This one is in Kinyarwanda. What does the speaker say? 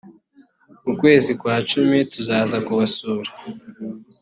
mu kwezi kwa cumi tuzaza kubasura.